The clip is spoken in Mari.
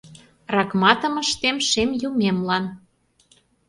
Ракматым ыштем шем юмемлан.